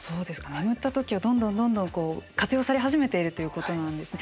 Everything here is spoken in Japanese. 眠った特許をどんどん、どんどん活用され始めているということなんですね。